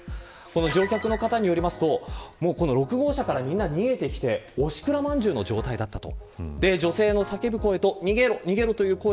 乗客の方によりますと６号車からみんな逃げてきておしくらまんじゅうの状態だったと。